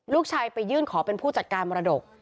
ลูกชายไปยื่นขอเป็นผู้จัดการมรดก